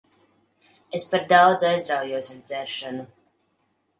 Es par daudz aizraujos ar dzeršanu.